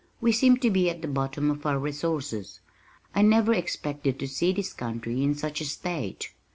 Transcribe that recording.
We seem to be at the bottom of our resources. I never expected to see this country in such a state.